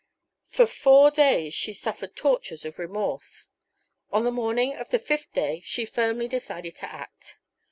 For four days she suffered tortures of remorse. On the morning of the fifth day she firmly decided to act.